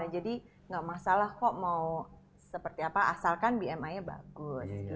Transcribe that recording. jadi nggak masalah kok mau seperti apa asalkan bmi nya bagus